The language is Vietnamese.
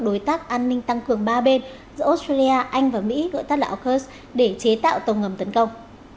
đối tác an ninh tăng cường ba bên giữa australia anh và mỹ gọi tắt là aukus để chế tạo tàu ngầm tấn công